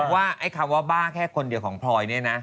ว่าไอ้คำว่าบ้าแค่คนเดียวของพลอยเนี่ยนะ